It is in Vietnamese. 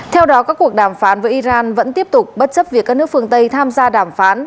theo đó các cuộc đàm phán với iran vẫn tiếp tục bất chấp việc các nước phương tây tham gia đàm phán